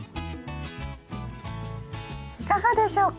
いかがでしょうか？